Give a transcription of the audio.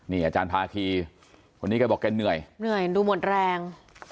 นี่อาจารย์ภาคีคนนี้แกบอกแกเหนื่อยเหนื่อยดูหมดแรง